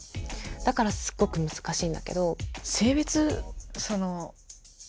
だからすっごく難しいんだけど。